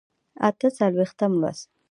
اته څلوېښتم لوست